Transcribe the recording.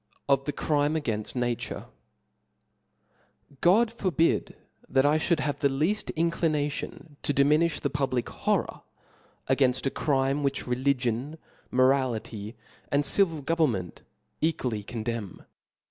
Of the Crime againji Nature^ /^ O D forbid that I fliould have the leaft in ^^ clination to diminilh the public horror a gainft a crinie which religion, morality, and civil government equally condemn.